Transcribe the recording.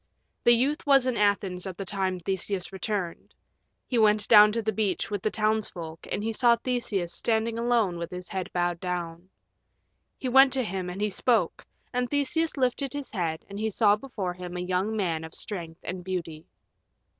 The youth was in Athens at the time Theseus returned. He went down to the beach with the townsfolk, and he saw Theseus standing alone with his head bowed down. He went to him and he spoke, and Theseus lifted his head and he saw before him a young man of strength and beauty.